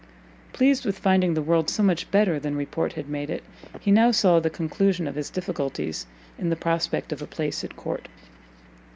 Pleased with finding the world so much better than report had made it, he now saw the conclusion of his difficulties in the prospect of a place at court.